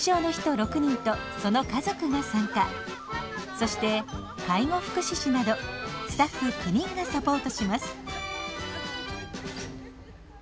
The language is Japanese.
そして介護福祉士などスタッフ９人がサポートします。